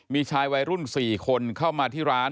มีชายวัยรุ่น๔คนเข้ามาที่ร้าน